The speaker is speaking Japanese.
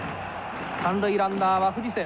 三塁ランナーは藤瀬。